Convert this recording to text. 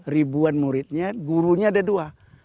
ribuan muridnya gurunya ada dua